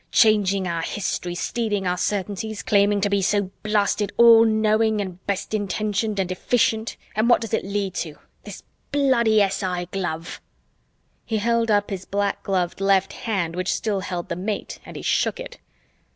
Changing our history, stealing our certainties, claiming to be so blasted all knowing and best intentioned and efficient, and what does it lead to? This bloody SI glove!" He held up his black gloved left hand which still held the mate and he shook it.